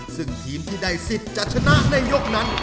ซึ่งทีมที่ได้สิทธิ์จะชนะในยกนั้น